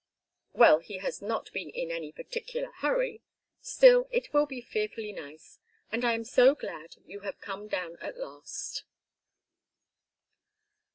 "Well, he has not been in any particular hurry. Still, it will be fearfully nice, and I am so glad you have come down at last."